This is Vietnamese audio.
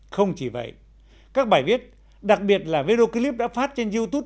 không chỉ vậy các bài viết đặc biệt là video clip đã phát trên youtube